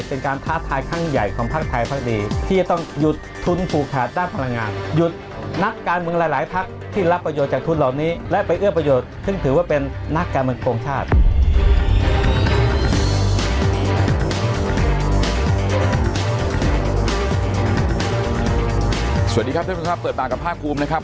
สวัสดีครับทุกคนครับเปิดปากกับภาคกรุมนะครับ